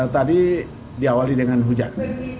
tadi diawali dengan hujan